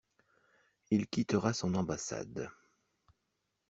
Il quittera son ambassade.